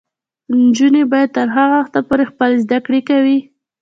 نجونې به تر هغه وخته پورې خپلې زده کړې کوي.